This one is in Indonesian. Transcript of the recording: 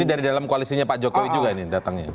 ini dari dalam koalisinya pak jokowi juga ini datangnya